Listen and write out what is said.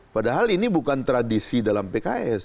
padahal ini bukan tradisi dalam pks